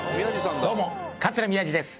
どうも桂宮治です。